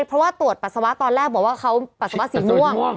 เพราะว่าตรวจปัสสาวะตอนแรกบอกว่าเขาปัสสาวะสีม่วง